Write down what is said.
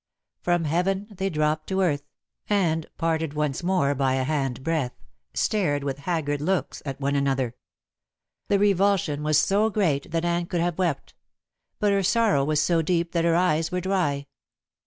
From heaven they dropped to earth, and parted once more by a hand breath, stared with haggard looks at one another. The revulsion was so great that Anne could have wept; but her sorrow was so deep that her eyes were dry.